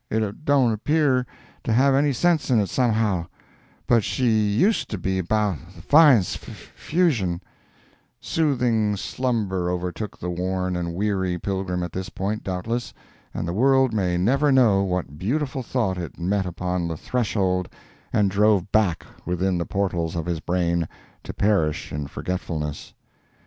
It don't appear to have any sense in it, somehow—but she used to be abou the fines' f fusion—" Soothing slumber overtook the worn and weary pilgrim at this point, doubtless, and the world may never know what beautiful thought it met upon the threshold and drove back within the portals of his brain, to perish in forgetfulness.